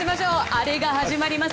あれが始まります。